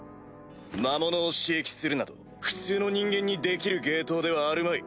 魔物を使役するなど普通の人間にできる芸当ではあるまい。